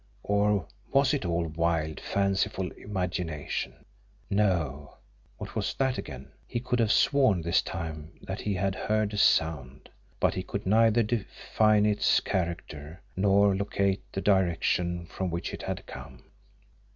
Or was it all wild, fanciful imagination? NO! What was that again! He could have sworn this time that he had heard a sound, but he could neither define its character, nor locate the direction from which it had come.